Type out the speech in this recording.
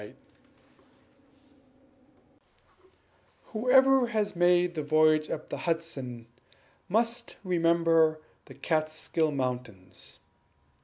] Whoever has made a voyage up the Hudson must remember the Kaatskill Mountains.